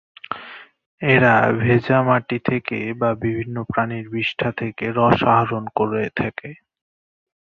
এরা ভেজা মাটি থেকে বা বিভিন্ন প্রাণীর বিষ্ঠা থেকে রস আহরণ করে থাকে।